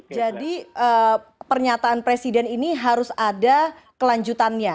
jadi pernyataan presiden ini harus ada kelanjutannya